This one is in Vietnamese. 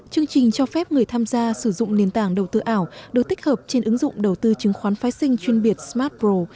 chương trình cho phép người tham gia sử dụng nền tảng đầu tư ảo được tích hợp trên ứng dụng đầu tư chứng khoán phái sinh chuyên biệt smartpro